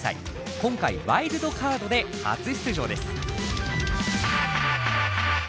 今回ワイルドカードで初出場です。